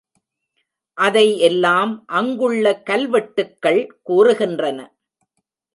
அதை எல்லாம் அங்குள்ள கல்வெட்டுக்கள் கூறுகின்றன.